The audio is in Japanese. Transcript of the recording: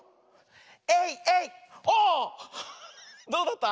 どうだった？